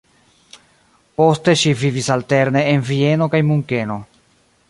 Poste ŝi vivis alterne en Vieno kaj Munkeno.